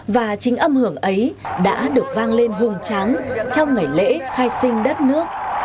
và chính âm hưởng ấy đã được vang lên hùng tráng trong ngày lễ khai sinh đất nước